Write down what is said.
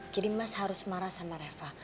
jadi mas harus marah sama reva